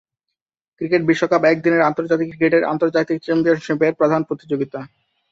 Cricket বিশ্বকাপ একদিনের আন্তর্জাতিক ক্রিকেটের আন্তর্জাতিক চ্যাম্পিয়নশীপের প্রধান প্রতিযোগিতা।